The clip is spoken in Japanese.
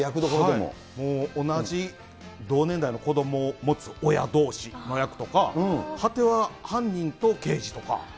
もう同じ同年代の子どもを持つ親どうしの役とか、果ては、犯人と刑事とか。